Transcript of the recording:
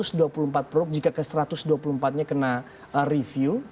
jadi kalau satu ratus dua puluh empat produk jika ke satu ratus dua puluh empat nya kena review